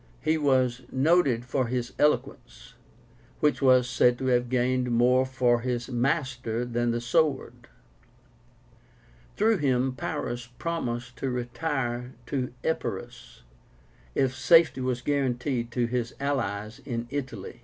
He was noted for his eloquence, which was said to have gained more for his master than the sword. Through him Pyrrhus promised to retire to Epirus if safety was guaranteed to his allies in Italy.